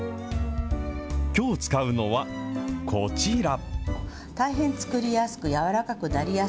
きょう使うのは、こちら。